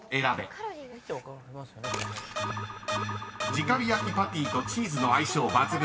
［じか火焼きパティとチーズの相性抜群］